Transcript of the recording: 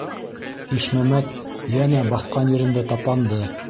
Ишмәмәт йәнә баҫҡан ерендә тапанды: